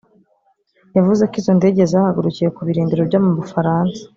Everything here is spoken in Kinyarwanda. yavuze ko izo ndege zahagurukiye ku birindiro byo mu Bufaransa